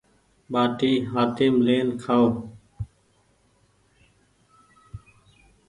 ٻآٽي هآتيم لين کآئو۔